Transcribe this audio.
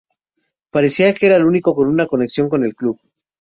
Parecía que era el único con una conexión con el club.